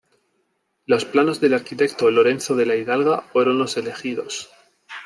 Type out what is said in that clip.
Los planos del arquitecto Lorenzo de la Hidalga fueron los elegidos.